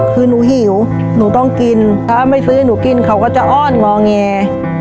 คือหนูหิวหนูต้องกินถ้าไม่ซื้อให้หนูกินเขาก็จะอ้อนงอแง